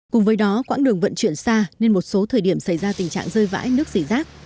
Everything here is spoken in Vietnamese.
cùng với đó quãng đường vận chuyển xa nên một số thời điểm xảy ra tình trạng rơi vãi nước dỉ rác